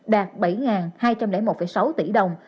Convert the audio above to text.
đạt bảy hai trăm linh một sáu tỷ đồng